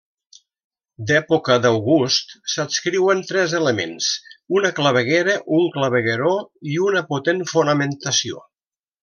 D'època d'August s'adscriuen tres elements; una claveguera un clavegueró, i una potent fonamentació.